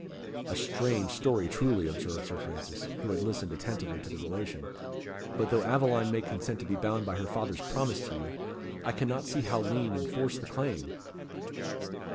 "A strange story truly," observed Sir Francis, who had listened attentively to the relation; "but though Aveline may consent to be bound by her father's promise to you, I see not how Lean enforce the claim."